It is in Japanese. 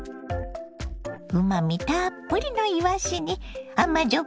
うまみたっぷりのいわしに甘じょ